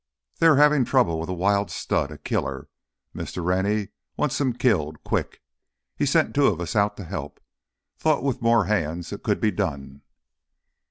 "They are havin' trouble with a wild stud—a killer. Mr. Rennie wants him killed, quick. He sent the two of us out to help—thought with more hands it could be done."